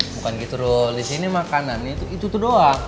bukan gitu bro disini makanan itu doang